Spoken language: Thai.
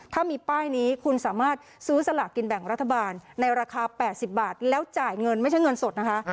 ถ้ามีป้ายนี้คุณสามารถซื้อสลากกินแบ่งรัฐบาลในราคา๘๐บาทแล้วจ่ายเงินไม่ใช่เงินสดนะคะ